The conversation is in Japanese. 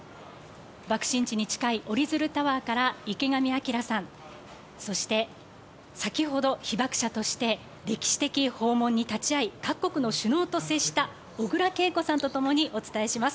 爆心地に近いおりづるタワーから、池上彰さん、そして、先ほど、被爆者として歴史的訪問に立ち会い、各国の首脳と接した小倉桂子さんと共にお伝えします。